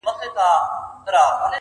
هغه بل پر جواهرو هنرونو.!